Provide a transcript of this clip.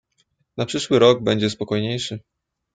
"Na przyszły rok będzie spokojniejszy."